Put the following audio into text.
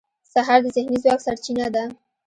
سهار د ذهني ځواک سرچینه ده.